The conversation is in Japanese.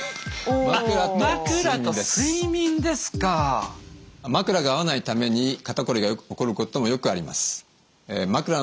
枕が合わないために肩こりが起こることもよくあります。